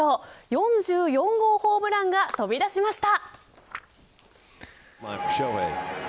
４４号ホームランが飛び出しました。